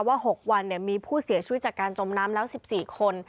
ว่า๖วันมีผู้เสียชีวิตจากการจมน้ำแล้ว๑๔คน